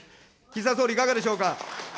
岸田総理、いかがでしょうか。